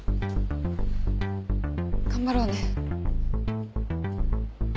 頑張ろうね。